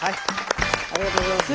ありがとうございます。